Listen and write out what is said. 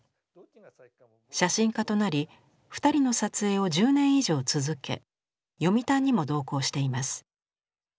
写真家となり二人の撮影を１０年以上続け読谷にも同行しています。